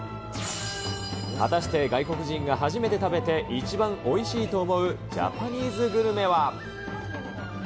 果たして外国人が初めて食べて一番おいしいと思うジャパニーズグルメは。